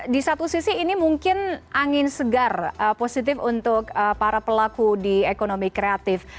di satu sisi ini mungkin angin segar positif untuk para pelaku di ekonomi kreatif